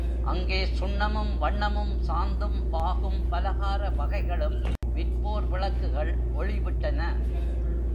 அங்கே சுண்ணமும், வண்ணமும், சாந்தும், பாகும், பலகார வகைகளும் விற்போர் விளக்குகள் ஒளி விட்டன.